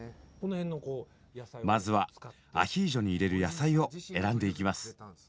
まずはアヒージョに入れる野菜を選んでいきます。